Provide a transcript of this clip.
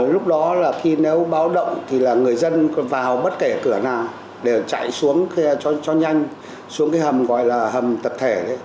lúc đó là khi nếu báo động thì là người dân vào bất kể cửa nào để chạy xuống cho nhanh xuống cái hầm gọi là hầm tập thể